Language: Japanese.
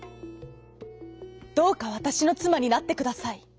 「どうかわたしのつまになってください」。